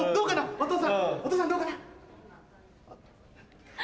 お父さんどうかな？